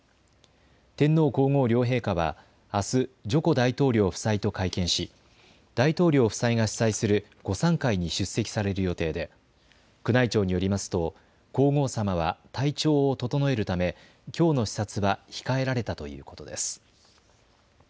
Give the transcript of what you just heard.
天皇皇后両陛下はあすジョコ大統領夫妻と会見し大統領夫妻が主催する午さん会に出席される予定で宮内庁によりますと皇后さまは体調を整えるため、きょうの視察は控えられたということです。